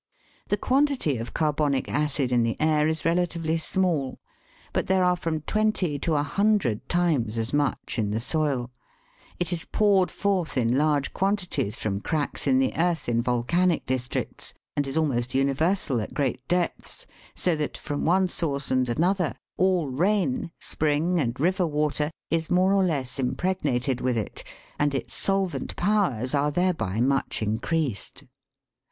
The quantity of carbonic acid in the air is relatively small; but there are from twenty to a hundred times as much in the soil ; it is poured forth in large quantities from cracks in the earth in ' volcanic districts, and is almost universal at great depths, so that, from one source and another, all rain, spring, and river water is more or less impregnated with it, and its solvent powers are there by much increased.